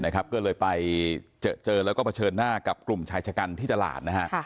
ก็เลยไปเจอแล้วก็เผชิญหน้ากับกลุ่มชายชะกันที่ตลาดนะฮะ